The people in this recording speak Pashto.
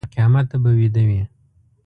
تر قیامته به ویده وي.